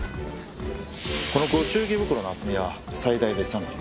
このご祝儀袋の厚みは最大で３ミリ。